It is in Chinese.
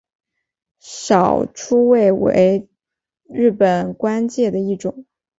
少初位为日本官阶的一种。